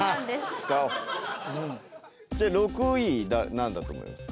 使おうじゃあ６位何だと思いますか？